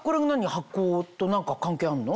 発酵と何か関係あんの？